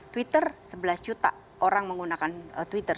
twitter sebelas juta orang menggunakan twitter